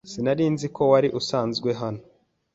Sinari nzi ko wari usanzwe hano.